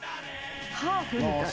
ハーフみたい。